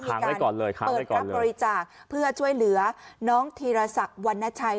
ต้องยินดิการเปิดรับบริจาคเพื่อช่วยเหลือน้องธีรศักดิ์วันนาชัย